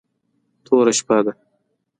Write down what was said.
توره شپه ده .